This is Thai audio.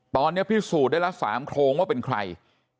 ตอนนี้พิสูจน์ได้ละ๓โครงว่าเป็นใคร